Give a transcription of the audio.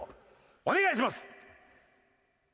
お願いします！